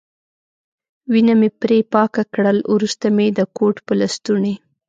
وینه مې پرې پاکه کړل، وروسته مې د کوټ په لستوڼي.